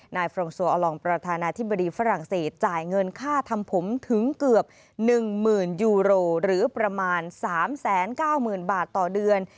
ฟรองซัวอลองประธานาธิบดีฝรั่งเศสจ่ายเงินค่าทำผมถึงเกือบ๑๐๐๐ยูโรหรือประมาณ๓๙๐๐๐บาทต่อเดือน